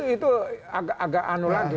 itu agak anu lagi